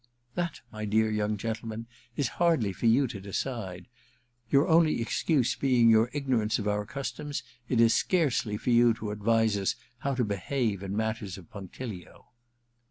* That, my dear young gentleman, is hardly for you to decide. Your only excuse being your ignorance of our customs, it is scarcely for you to advise us how to behave in matters of punctilio.'